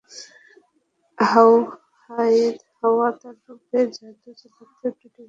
ইউহাওয়া তার রূপের যাদু চালাতেও ত্রুটি করেনি।